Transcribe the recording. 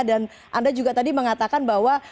dan anda juga tadi mengatakan bahwa